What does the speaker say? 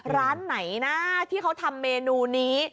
ร้านไหนนะที่เขาทำเมนูนี้